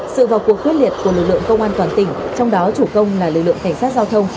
sự vào cuộc quyết liệt của lực lượng công an toàn tỉnh trong đó chủ công là lực lượng cảnh sát giao thông